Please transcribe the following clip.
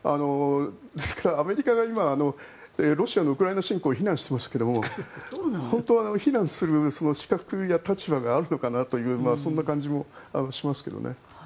ですからアメリカが今ロシアのウクライナ侵攻を非難していますが本当は非難する資格や立場があるのかなというそんな感じもしますけどね。